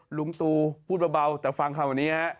หลุงตูพูดเบาแต่ฟังคำวันนี้